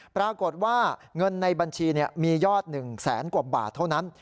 ปรากฏว่าเงินในบัญชีมียอด๑แสนกว่าบาทเท่านั้น